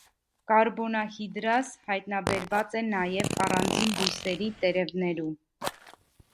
Կարբոնահիգրազ հայտնաբերված է նաև առանձին բույսերի տերևներում։